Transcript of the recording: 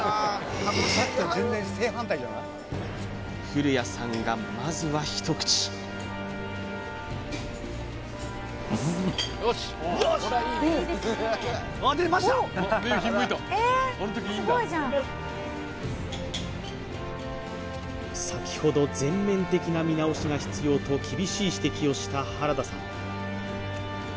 古屋さんがまずは一口先ほど全面的な見直しが必要と厳しい指摘をした原田さん